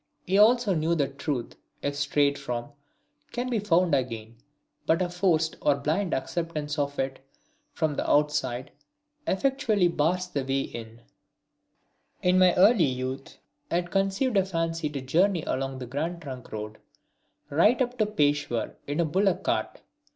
He also knew that truth, if strayed from, can be found again, but a forced or blind acceptance of it from the outside effectually bars the way in. [Illustration: The Himalayas] In my early youth I had conceived a fancy to journey along the Grand Trunk Road, right up to Peshawar, in a bullock cart.